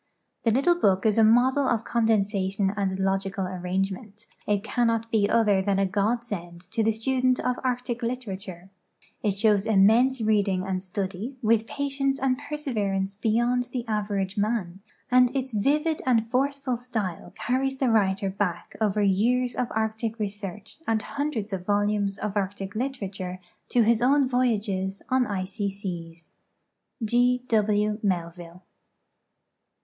The little book is a model of con densation and logical arrangement ; it cannot be other than a godsend to the student of arctic literature; it shows immense reading and study* with jiatience and perseverance beyond the average man ; and its vivid and forceful style carries the writer back over years of arctic research and hundreds of volumes of arctic literature to his own voyages on icy seas. O. W. Melviu.e.